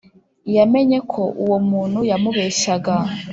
yamenye ko uwo muntu yamubeshyaga